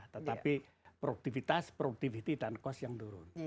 tapi produktivitas produktivitas dan kos yang turun